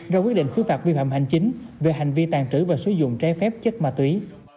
ra quyết định xứ phạt vi phạm hành chính về hành vi tàn trữ và sử dụng trái phép chất ma túy